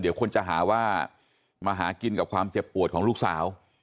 เดี๋ยวคนจะหาว่ามาหากินผิวโปรดของลูกสาว